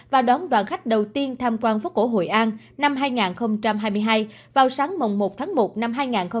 và đón đoàn khách đầu tiên tham quan phố cổ hội an năm hai nghìn hai mươi hai vào sáng mùng một tháng một năm hai nghìn hai mươi bốn